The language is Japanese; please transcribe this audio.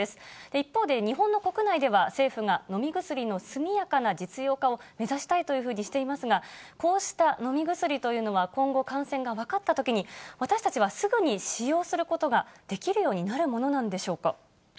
一方で、日本の国内では、政府が飲み薬の速やかな実用化を目指したいというふうにしていますが、こうした飲み薬というのは、今後、感染が分かったときに、私たちはすぐに使用することができるようになるものなんでしょうか。